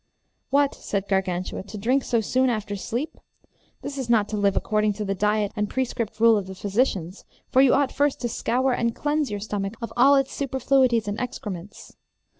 What, said Gargantua, to drink so soon after sleep? This is not to live according to the diet and prescript rule of the physicians, for you ought first to scour and cleanse your stomach of all its superfluities and excrements.